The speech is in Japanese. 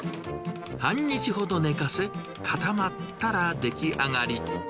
半日ほど寝かせ、固まったら出来上がり。